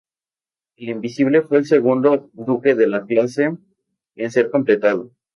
El "Invincible" fue el segundo buque de la clase en ser completado.